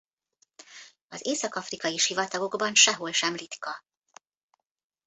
Az észak-afrikai sivatagokban sehol sem ritka.